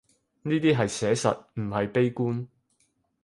呢啲係寫實，唔係悲觀